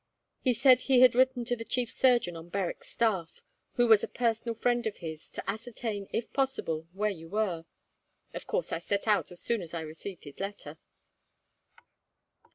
He said he had written to the chief surgeon on Berwick's staff, who was a personal friend of his, to ascertain, if possible, where you were. Of course, I set out as soon as I received his letter."